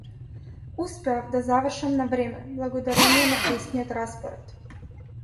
Успеав да завршам на време благодарение на тесниот распоред.